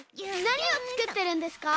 なにをつくってるんですか？